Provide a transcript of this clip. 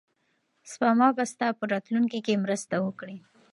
سپما به ستا په راتلونکي کې مرسته وکړي.